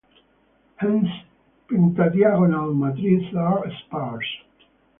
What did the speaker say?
Hence, pentadiagonal matrices are sparse.